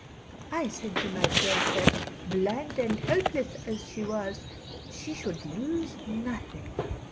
I said to myself that, blind and helpless as she was, she should lose nothing.